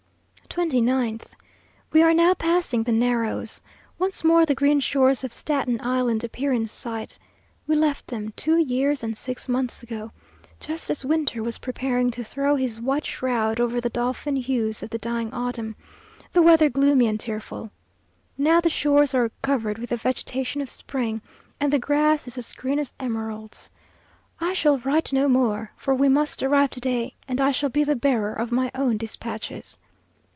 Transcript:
29th. We are now passing the Narrows. Once more the green shores of Staten Island appear in sight. We left them two years and six months ago; just as winter was preparing to throw his white shroud over the dolphin hues of the dying autumn; the weather gloomy and tearful. Now the shores are covered with the vegetation of spring, and the grass is as green as emeralds. I shall write no more, for we must arrive to day; and I shall be the bearer of my own despatches.